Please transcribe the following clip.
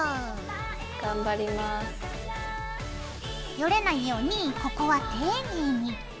ヨレないようにここは丁寧に。